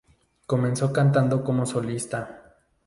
Comenzó cantando como solista.